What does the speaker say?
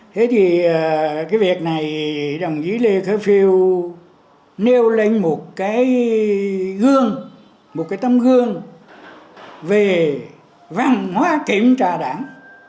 thế thì cái việc này đồng chí lê khả phiêu nêu lên một cái gương một cái tấm gương về văn hóa kiểm tra đảng